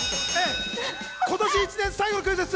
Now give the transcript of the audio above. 今年一年最後のクイズッス